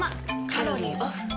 カロリーオフ。